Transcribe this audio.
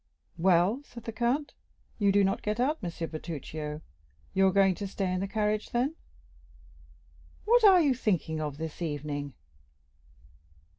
"Well," said the count, "you do not get out, M. Bertuccio—you are going to stay in the carriage, then? What are you thinking of this evening?"